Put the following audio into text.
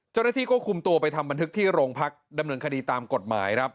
เจ้าหน้าที่ก็คุมตัวไปทำบันทึกที่โรงพักดำเนินคดีตามกฎหมายครับ